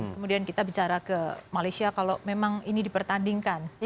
kemudian kita bicara ke malaysia kalau memang ini dipertandingkan